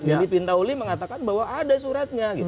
jadi pintauli mengatakan bahwa ada suratnya